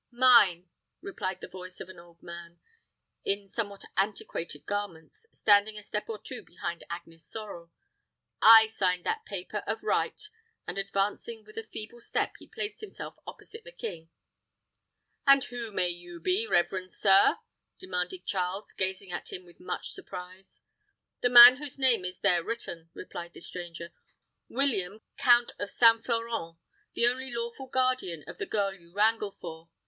"Mine," replied the voice of an old man, in somewhat antiquated garments, standing a step or two behind Agnes Sorel. "I signed that paper, of right;" and advancing with a feeble step, he placed himself opposite the king. "And who may you be, reverend sir?" demanded Charles, gazing at him with much surprise. "The man whose name is there written," replied the stranger. "William, count of St. Florent; the only lawful guardian of the girl you wrangle for.